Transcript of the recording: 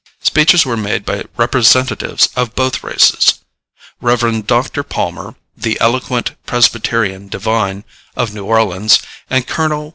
Speeches were made by representatives of both races. Rev. Dr. Palmer, the eloquent Presbyterian divine, of New Orleans, and Col.